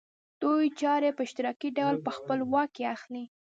دوی چارې په اشتراکي ډول په خپل واک کې اخلي